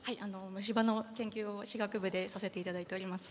虫歯の研究を歯学部でさせていただいております。